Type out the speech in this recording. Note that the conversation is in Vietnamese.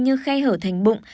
như khay hở thành bụng